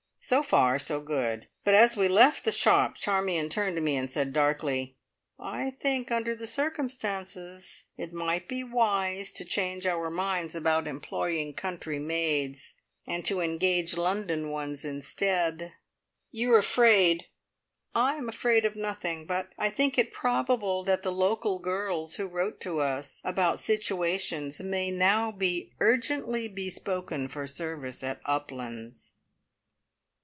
So far, so good; but as we left the shop Charmion turned to me, and said darkly: "I think, under the circumstances, it might be wise to change our minds about employing country maids, and to engage London ones instead." "You are afraid " "I am afraid of nothing, but I think it probable that the local girls who wrote to us about situations may now be `urgently' bespoken for service at Uplands."